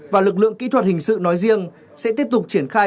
và lực lượng kỹ thuật hình sự nói riêng sẽ tiếp tục triển khai